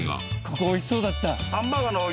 ここ美味しそうだった！